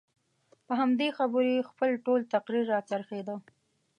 په همدې خبرو یې خپل ټول تقریر راڅرخېده.